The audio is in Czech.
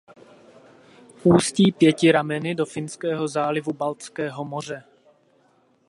Ústí pěti rameny do Finského zálivu Baltského moře.